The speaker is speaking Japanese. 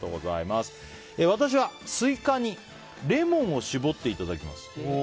私は、スイカにレモンを搾っていただきます。